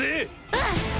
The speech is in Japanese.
うん！